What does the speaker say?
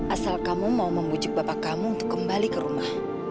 asal kamu mau membujuk bapak kamu untuk kembali ke rumah